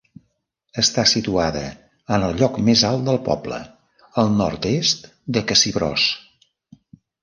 Està situada en el lloc més alt del poble, al nord-est de Cassibrós.